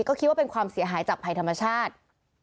ก็คิดว่าเป็นความเสียหายจากภัยธรรมชาติ